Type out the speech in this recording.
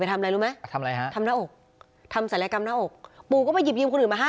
ไปทำอะไรรู้ไหมทำจะทำอะไรฮะทำหน้าอกทำให้พูก็ไปมาให้